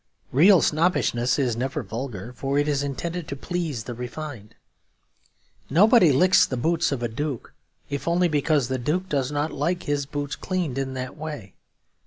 Real snobbishness is never vulgar; for it is intended to please the refined. Nobody licks the boots of a duke, if only because the duke does not like his boots cleaned in that way.